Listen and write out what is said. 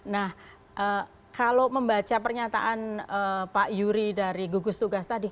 nah kalau membaca pernyataan pak yuri dari gugus tugas tadi